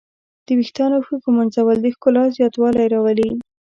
د ویښتانو ښه ږمنځول د ښکلا زیاتوالی راولي.